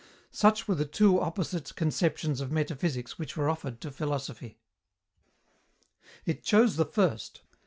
Such were the two opposite conceptions of metaphysics which were offered to philosophy. It chose the first.